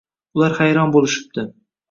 Ular hayron bo‘lishibdi